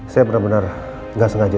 saya benar benar nggak sengaja